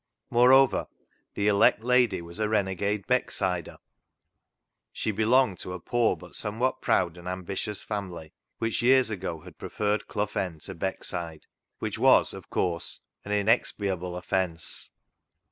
Moreover, the " elect " lady was a renegade Becksider. She belonged to a poor but some what proud and ambitious family which years ago had preferred Clough End to Beckside, which was, of course, an inexpiable offence.